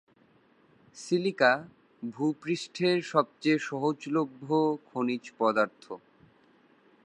Silica ভূ-পৃষ্ঠের সবচেয়ে সহজলভ্য খনিজ পদার্থ।